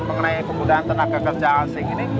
mengenai kemudahan tenaga kerja asing ini